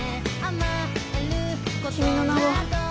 君の名は。